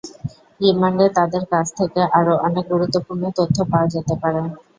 রিমান্ডে তাঁদের কাছ থেকে আরও অনেক গুরুত্বপূর্ণ তথ্য পাওয়া যেতে পারে।